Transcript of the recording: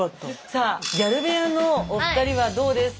さあギャル部屋のお二人はどうですか？